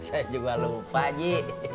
saya juga lupa ji